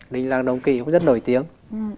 đình làng đồng kỵ cũng rất nổi tiếng